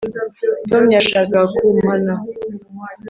tom yashakaga kumpana